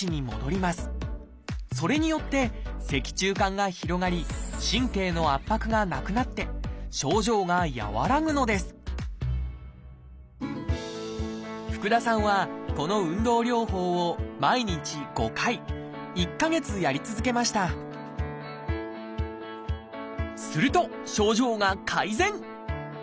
それによって脊柱管が広がり神経の圧迫がなくなって症状が和らぐのです福田さんはこの運動療法を毎日５回１か月やり続けましたすると症状が改善！